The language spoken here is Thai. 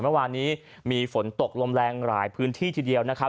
เมื่อวานนี้มีฝนตกลมแรงหลายพื้นที่ทีเดียวนะครับ